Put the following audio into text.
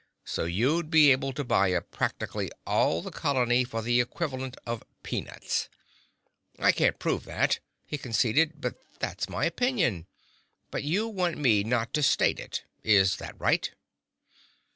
So you'd be able to buy up practically all the colony for the equivalent of peanuts. I can't prove that," he conceded, "but that's my opinion. But you want me not to state it. Is that right?"